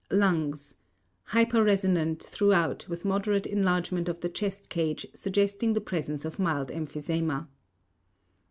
LUNGS: Hyper resonant throughout with moderate enlargement of the chest cage suggesting the presence of mild emphysema.